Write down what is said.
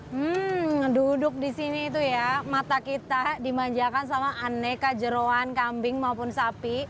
hmm duduk di sini itu ya mata kita dimanjakan sama aneka jeruan kambing maupun sapi